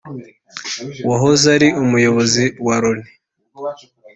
uwahoze ari umuyobozi wa Loni